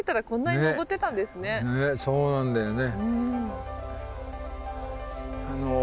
ねっそうなんだよね。